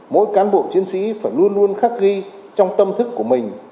mỗi cán bộ chiến sĩ phải luôn luôn khắc ghi trong tâm thức của mình